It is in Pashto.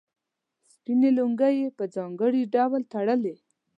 سپینې لونګۍ یې په ځانګړي ډول تړلې.